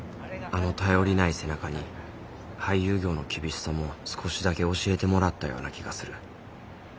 あの頼りない背中に俳優業の厳しさも少しだけ教えてもらったような気がする。